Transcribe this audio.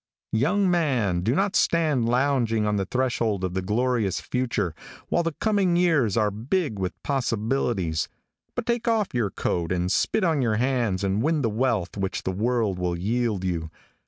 |YOUNG man, do not stand lounging on the threshold of the glorious future, while the coming years are big with possibilities, but take off your coat and spit on your hands and win the wealth which the world will yield you.